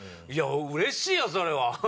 うれしいよそれは。